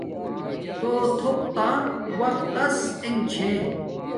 توہ تھوپ تا وقت تس انݣے چھے